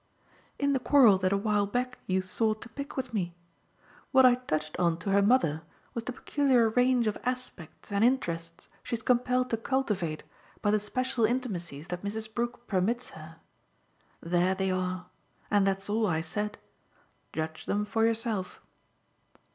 "In the quarrel that a while back you sought to pick with me. What I touched on to her mother was the peculiar range of aspects and interests she's compelled to cultivate by the special intimacies that Mrs. Brook permits her. There they are and that's all I said. Judge them for yourself."